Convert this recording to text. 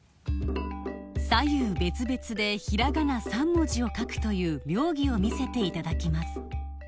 左右別々でひらがな３文字を書くという妙技を見せていただきます